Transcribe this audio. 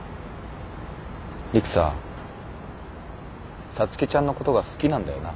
陸さ皐月ちゃんのことが好きなんだよな。